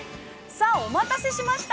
◆さあ、お待たせしました。